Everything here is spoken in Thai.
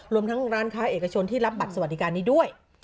รวมทั้งร้านค้าเอกชนที่รับบัตรสวัสดิการนี้ด้วย